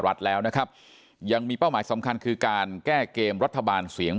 รัฐแล้วนะครับยังมีเป้าหมายสำคัญคือการแก้เกมรัฐบาลเสียง